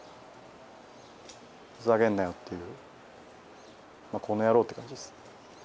ふざけんなよっていう、この野郎って感じです。